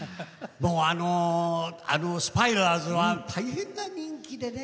あのスパイダースは大変な人気でね。